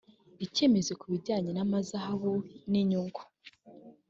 icyemezo ku bijyanye n amahazabu n inyungu